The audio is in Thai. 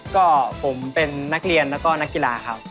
ก็ผมเป็นนักเรียนแล้วก็นักกีฬาครับ